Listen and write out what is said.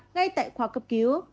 ngay tại khoa cấp cứu